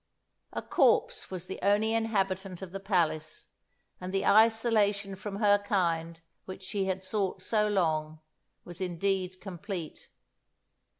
"A corpse was the only inhabitant of the palace, and the isolation from her kind which she had sought so long was indeed complete.